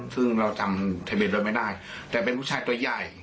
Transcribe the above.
ซึ่งเราจำทะเบียนรถไม่ได้แต่เป็นผู้ชายตัวใหญ่